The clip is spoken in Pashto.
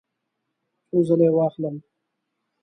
څو ځله یی واخلم؟